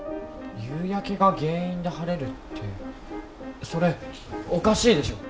「夕焼けが原因で晴れる」ってそれおかしいでしょ。